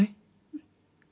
うん。